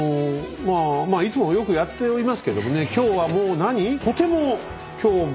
いつもよくやっておりますけどもね今日はもうなに？